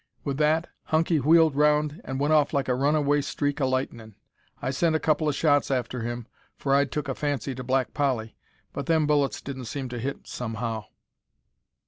Wi' that Hunky wheeled round an' went off like a runaway streak o' lightnin'. I sent a couple o' shots after him, for I'd took a fancy to Black Polly but them bullets didn't seem to hit somehow."